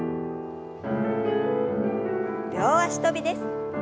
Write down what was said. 両脚跳びです。